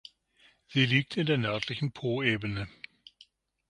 Sie liegt in der nördlichen Poebene.